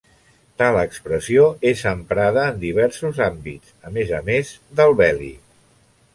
Tal expressió és emprada en diversos àmbits, a més a més del bèl·lic.